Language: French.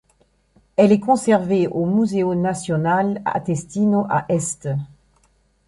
Elle est conservée au Museo Nazionale Atestino à Este.